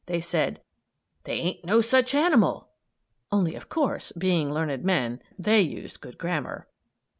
They said: "They ain't no such animal!" (Only, of course, being learned men, they used good grammar.)